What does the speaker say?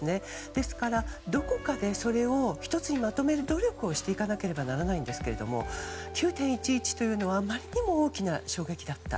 ですから、どこかでそれを１つにまとめる努力をしていかないとならないんですが９・１１というのはあまりにも大きな衝撃だった。